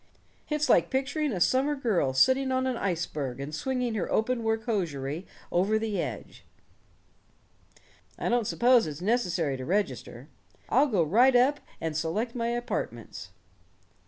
"It's like picturing a summer girl sitting on an iceberg and swinging her open work hosiery over the edge. I don't suppose it's necessary to register. I'll go right up and select my apartments."